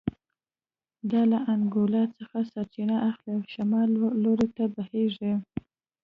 دا له انګولا څخه سرچینه اخلي او شمال لور ته بهېږي